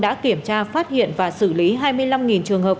đã kiểm tra phát hiện và xử lý hai mươi năm trường hợp